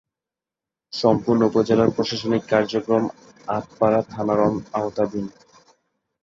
সম্পূর্ণ উপজেলার প্রশাসনিক কার্যক্রম আটপাড়া থানার আওতাধীন।